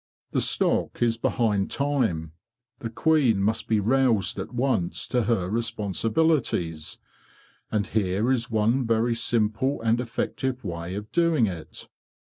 The stock is behind time. The queen must be roused at once to her responsibilities, and here is one very simple and effective way of doing it.